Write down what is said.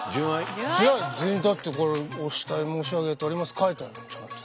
だってこれお慕い申し上げておりますって書いてあるちゃんと。